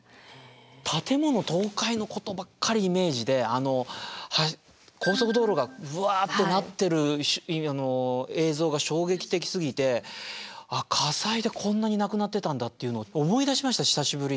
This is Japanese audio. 建物倒壊のことばっかりイメージで高速道路がブワッとなってる映像が衝撃的すぎてあっ火災でこんなに亡くなってたんだっていうの思い出しました久しぶりに。